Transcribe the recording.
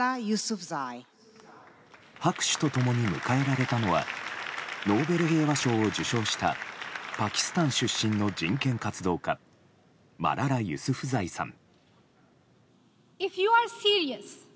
拍手と共に迎えられたのはノーベル平和賞を受賞したパキスタン出身の人権活動家マララ・ユスフザイさん。